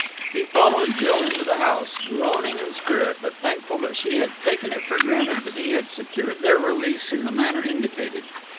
He followed Jill into the house, groaning in spirit, but thankful that she had taken it for granted that he had secured their release in the manner indicated.